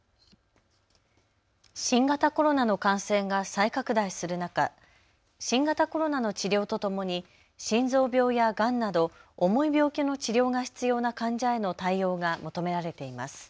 新型コロナの感染が再拡大する中、新型コロナの治療とともに心臓病やがんなど重い病気の治療が必要な患者への対応が求められています。